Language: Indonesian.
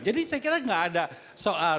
jadi saya kira tidak ada soal